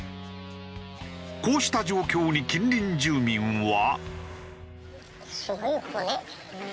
こうした状況に近隣住民は。